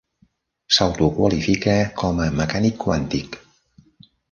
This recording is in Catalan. S'autoqualifica com a "mecànic quàntic".